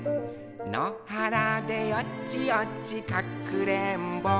のはらでよちよちかくれんぼ」